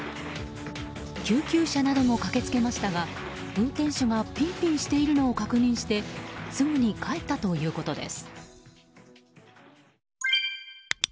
救急車なども駆けつけましたが運転手がぴんぴんしているのを確認してすぐに帰ったということです。